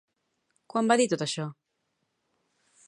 Quan va dir tot això?